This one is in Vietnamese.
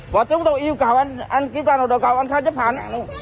bọn chúng tôi yêu cầu anh anh kiếm ra nông độ cồn anh khai chấp hẳn